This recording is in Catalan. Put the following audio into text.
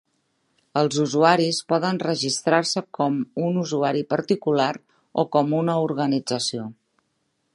Els usuaris poden registrar-se com un usuari particular o com una organització.